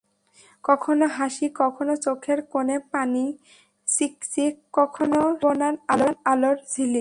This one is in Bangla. কখনো হাসি, কখনো চোখের কোণে পানি চিকচিক, কখনো সম্ভাবনার আলোর ঝিলিক।